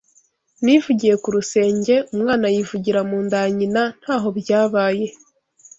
Nivugiye ku rusenge umwana yivugira mu nda ya nyina nta ho byabaye